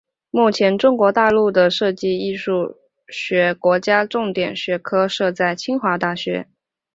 目前中国大陆的设计艺术学国家重点学科设在清华大学。